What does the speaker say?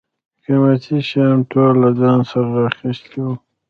قیمتي شیان یې ټول له ځان سره را اخیستي و.